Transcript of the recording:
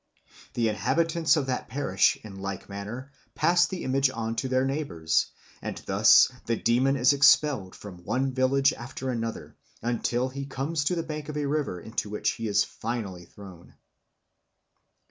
The inhabitants of that parish in like manner pass the image on to their neighbours, and thus the demon is expelled from one village after another, until he comes to the bank of a river into which he is finally thrown.